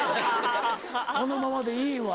「このままでいいわ」。